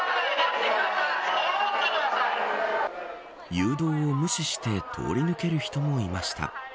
誘導を無視して通り抜ける人もいました。